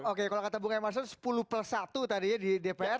oke kalau kata bung emerson sepuluh plus satu tadi ya di dpr